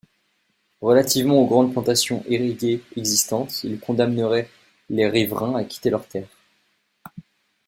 Relativement aux grandes plantations irriguées existantes, il condamnerait les riverains à quitter leurs terres.